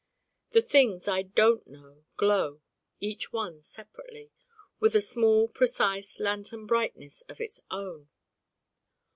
The things I Don't Know glow each one separately with a small precise lantern brightness of its own.